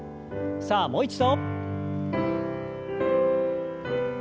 さあもう一度。